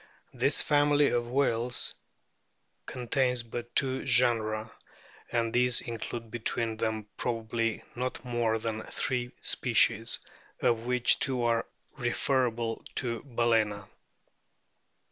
This family of whales contains but two genera, and these include between them probably not more than three species, of which two are refer able to Balcena.